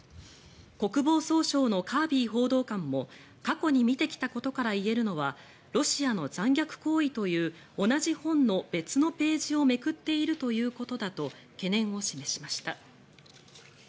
国防総省のカービー報道官も過去に見てきたことから言えるのはロシアの残虐行為という同じ本の別のページをめくっているということだと懸念を示しました。